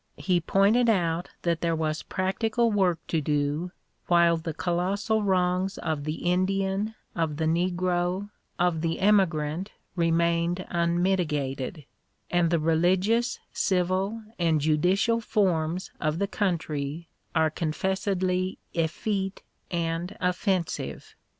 He pointed out that there was practical work to do "while the colossal wrongs of the Indian, of the negro, of the emigrant remained unmitigated, and the religious, civil, and judicial forms of the country are confessedly eflEete and offensive."